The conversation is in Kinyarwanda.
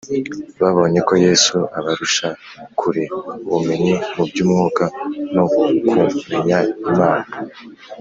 . Babonye ko Yesu abarusha kure ubumenyi mu by’umwuka no kumenya Imana.